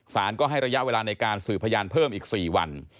ก็ให้ระยะเวลาในการสื่อพยานเพิ่มอีก๔วัน